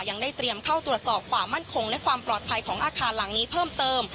ยังได้เตรียมเข้าตรวจสอบความมั่นคงและความปลอดภัยของอาคารหลังนี้เพิ่มเติม